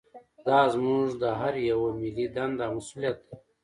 دا زموږ د هر یوه ملي دنده او مسوولیت دی